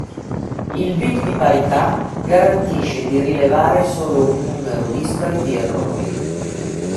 Il bit di parità garantisce di rilevare solo un numero dispari di errori.